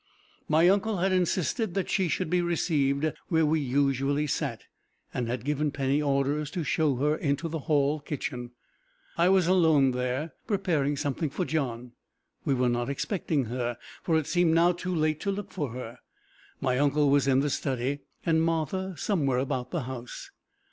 My uncle had insisted that she should be received where we usually sat, and had given Penny orders to show her into the hall kitchen. I was alone there, preparing something for John. We were not expecting her, for it seemed now too late to look for her. My uncle was in the study, and Martha somewhere about the house.